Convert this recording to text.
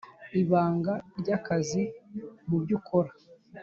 ibanga rya kazi mubyo ukora